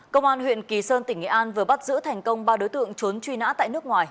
công an huyện kỳ sơn tỉnh nghệ an vừa bắt giữ thành công ba đối tượng trốn truy nã tại nước ngoài